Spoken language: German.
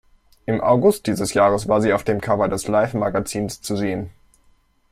Im August dieses Jahres war sie auf dem Cover des Life-Magazins zu sehen.